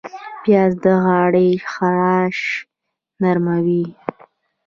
پیاز د غاړې خراش نرموي